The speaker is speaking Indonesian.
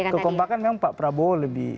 kekompakan memang pak prabowo lebih